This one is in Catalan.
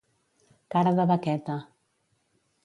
Cara de baqueta.